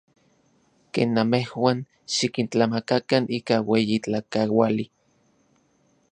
Ken namejuan, xikintlamakakan ika ueyi tlakauali.